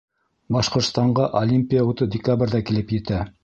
Башҡортостанға Олимпия уты декабрҙә килеп етә.